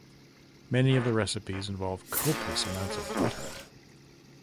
Many of the recipes involve copious amounts of butter.